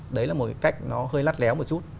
đấy là một cái cách nó hơi lắt léo một chút